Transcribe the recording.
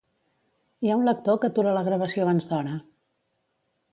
Hi ha un lector que atura la gravació abans d'hora